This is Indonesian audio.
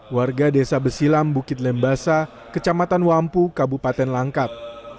warga desa besilam bukit lembasa kecamatan wampu kabupaten langkat